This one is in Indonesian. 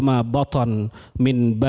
dari segala makanan